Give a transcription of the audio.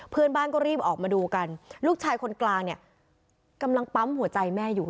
เพื่อนบ้านก็รีบออกมาดูกันลูกชายคนกลางเนี่ยกำลังปั๊มหัวใจแม่อยู่